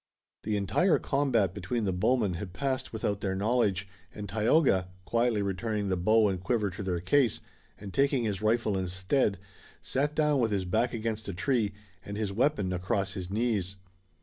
The entire combat between the bowmen had passed without their knowledge, and Tayoga, quietly returning the bow and quiver to their case, and taking his rifle instead, sat down with his back against a tree, and his weapon across his knees.